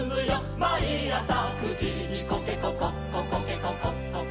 「毎朝９時にコケココッココケココッココ」